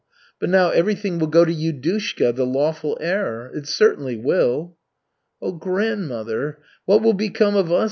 But now everything will go to Yudushka, the lawful heir. It certainly will." "Oh, grandmother, what will become of us?"